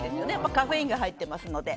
カフェインが入っていますので。